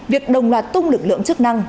việc đồng loạt tung lực lượng chức năng